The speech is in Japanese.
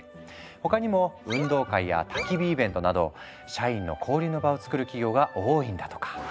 他にも運動会や焚き火イベントなど社員の交流の場をつくる企業が多いんだとか。